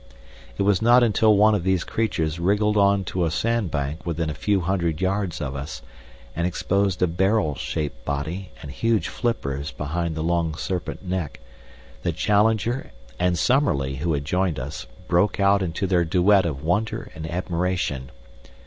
It was not until one of these creatures wriggled on to a sand bank within a few hundred yards of us, and exposed a barrel shaped body and huge flippers behind the long serpent neck, that Challenger, and Summerlee, who had joined us, broke out into their duet of wonder and admiration.